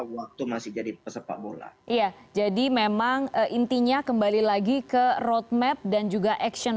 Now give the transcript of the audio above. waktu masih jadi pesepak bola iya jadi memang intinya kembali lagi ke roadmap dan juga action